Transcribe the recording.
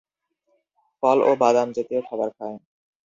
ফল ও বাদাম জাতীয় খাবার খায়।